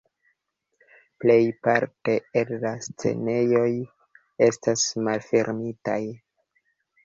Plejparto el la scenejoj estas malfermitaj.